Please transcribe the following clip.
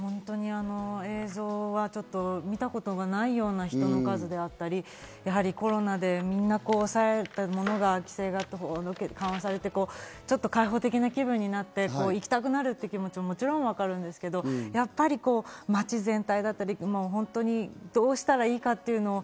あの映像はちょっと見たことがないような人の数だったり、コロナでみんな抑えていたものが緩和されて開放的な気分になって、行きたくなるっていう気持ちはもちろんわかるんですけど、やっぱり街全体、どうしたらいいかと。